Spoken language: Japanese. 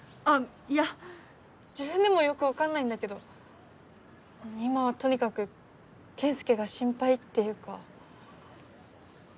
あっいや自分でもよく分かんないんだけど今はとにかく健介が心配っていうか。